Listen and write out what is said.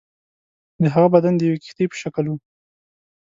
د هغه بدن د یوې کښتۍ په شکل وو.